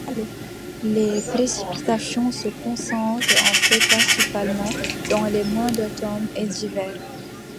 Les précipitations se concentrent en fait principalement dans les mois d'automne et d'hiver.